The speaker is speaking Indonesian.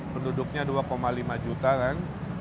penduduknya dua lima juta kan